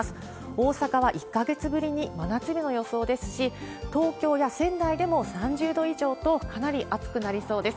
大阪は１か月ぶりに真夏日の予想ですし、東京や仙台でも３０度以上と、かなり暑くなりそうです。